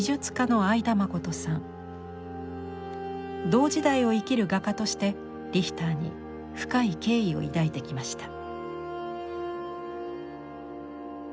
同時代を生きる画家としてリヒターに深い敬意を抱いてきました。